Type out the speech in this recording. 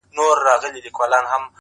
o ما خو دا ټوله شپه ـ